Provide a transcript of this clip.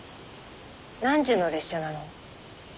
何時の列車なの？